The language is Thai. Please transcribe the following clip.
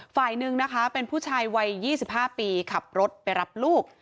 ฝ่ายหนึ่งนะคะเป็นผู้ชายวัย๒๕ปีขับรถไปรับลูก